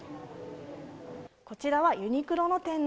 こちらはユニクロの店内